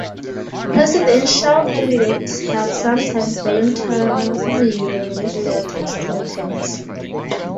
Presidential candidates have sometimes voluntarily released their tax returns.